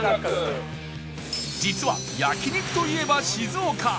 実は焼肉といえば静岡